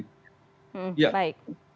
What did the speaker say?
aksesnya diberikan ya